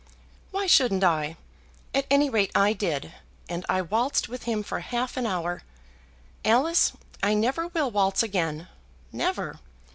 "Why shouldn't I? At any rate I did; and I waltzed with him for half an hour. Alice, I never will waltz again; never.